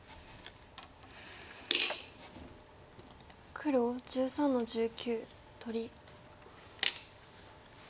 黒１３の十九取り。